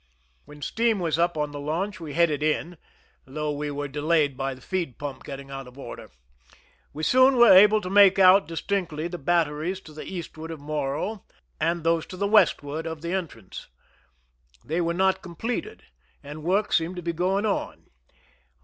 ■ When steam was up on the launch we headed in, though we were delayed by the feed pump getting out of order. We soon were able to make out dis tinctly the batteries to the eastward of Morro, and those to the westward of the entrance. They were not completed, and work seemed to be going on.